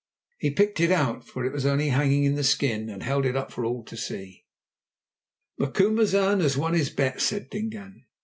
He picked it out, for it was only hanging in the skin, and held it up for all to see. "Macumazahn has won his bet," said Dingaan.